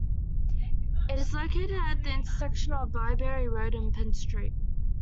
It is located at the intersection of Byberry Road and Penn Street.